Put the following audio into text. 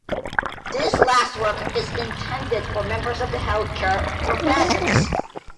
This last work is intended for members of the health care professions.